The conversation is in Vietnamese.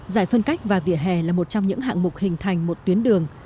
giải phân cách và vỉa hè là một trong những hạng mục hình thành một tuyến đường